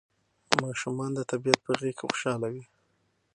ماشومان د طبیعت په غېږ کې خوشاله وي.